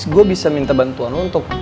gue bisa minta bantuan untuk